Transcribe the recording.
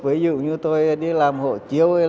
với dụ như tôi đi làm hộ chiếu